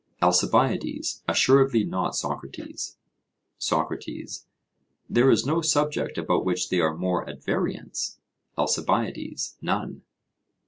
ALCIBIADES: Assuredly not, Socrates. SOCRATES: There is no subject about which they are more at variance? ALCIBIADES: None.